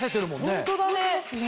ホントだね。